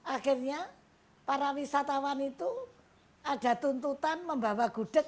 akhirnya para wisatawan itu ada tuntutan membawa gudeg